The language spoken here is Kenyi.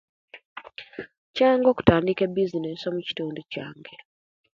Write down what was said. Kyangu okutandinka ebizinesi omukindu kyange